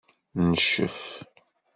Ncef.